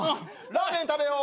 ラーメン食べよ。